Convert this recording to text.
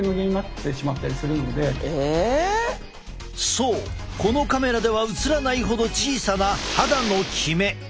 そうこのカメラでは映らないほど小さな肌のキメ。